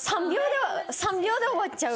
３秒で終わっちゃう。